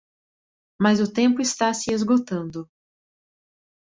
Mas o tempo está se esgotando